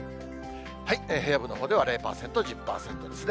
平野部のほうでは０％、１０％ですね。